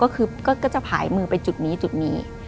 ก็จะหายมือไปจุดนี้จุดนี้